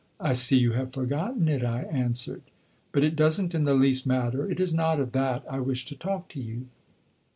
'I see you have forgotten it,' I answered; 'but it does n't in the least matter; it is not of that I wish to talk to you.